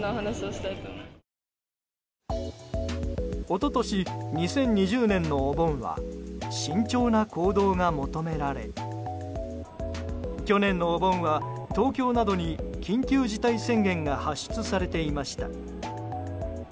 一昨年、２０２０年のお盆は慎重な行動が求められ去年のお盆は東京などに緊急事態宣言が発出されていました。